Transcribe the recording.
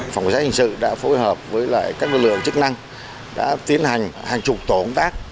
phòng cảnh sát hình sự đã phối hợp với các lực lượng chức năng đã tiến hành hàng chục tổ công tác